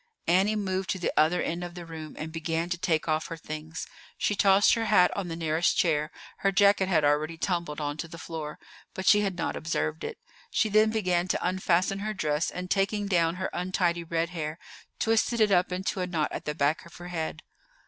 Annie moved to the other end of the room and began to take off her things. She tossed her hat on the nearest chair; her jacket had already tumbled on to the floor, but she had not observed it. She then began to unfasten her dress, and, taking down her untidy red hair, twisted it up into a knot at the back of her head.